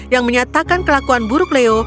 yang menyatakan kelakuan buruk leo